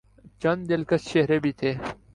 چند دلکش چہرے بھی تھے۔